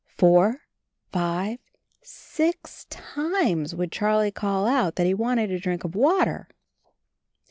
Four, five, sicc times would Charlie call out that he wanted a drink of water!